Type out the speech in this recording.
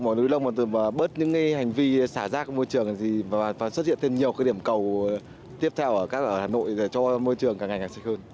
một từ bớt những hành vi xả rác môi trường và xuất hiện thêm nhiều điểm cầu tiếp theo ở hà nội để cho môi trường càng hành hạt sạch hơn